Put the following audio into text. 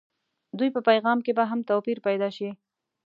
دوی په پیغام کې به هم توپير پيدا شي.